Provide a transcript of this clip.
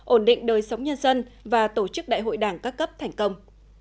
ổn định đời sống nhân dân và tổ chức đại hội đảng các cấp thành công